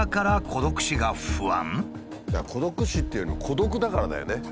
孤独死っていうよりも孤独だからだよね。